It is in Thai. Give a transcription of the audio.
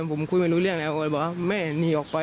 ผมคุยไม่รู้เรื่องแล้วออยบอกว่าแม่หนีออกไป